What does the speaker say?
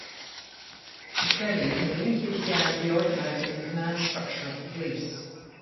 Macready immediately began reorganising the command structure of the police.